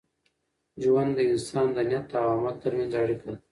ژوند د انسان د نیت او عمل تر منځ اړیکه ده.